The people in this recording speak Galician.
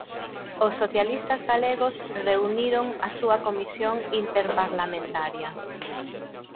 Os socialistas galegos reuniron a súa Comisión Interparlamentaria.